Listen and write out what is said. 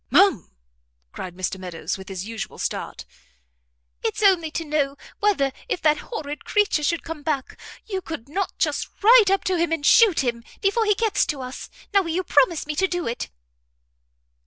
"Ma'am!" cried Mr Meadows, with his usual start. "It's only to know, whether if that horrid creature should come back, you could not just ride up to him and shoot him, before he gets to us? Now will you promise me to do it?"